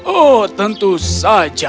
oh tentu saja